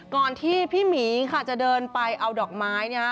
ก่อนที่พี่หมีค่ะจะเดินไปเอาดอกไม้นะฮะ